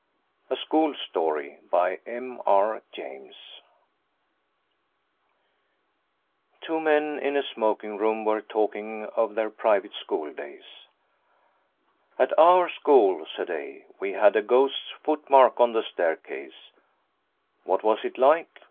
JAMES A SCHOOL STORY Two men in a smoking room were talking of their private school days. 'At our school,' said A., 'we had a ghost's footmark on the staircase. What was it like?